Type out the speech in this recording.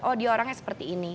oh dia orangnya seperti ini